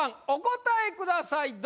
１お答えください